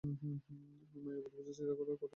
এই মায়াবাদ বুঝা চিরকালই একটি কঠিন ব্যাপার।